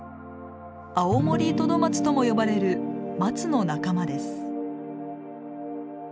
アオモリトドマツとも呼ばれるマツの仲間です。